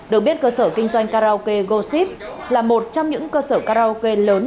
được biết cơ sở kinh doanh karaoke goshi là một trong những cơ sở karaoke lớn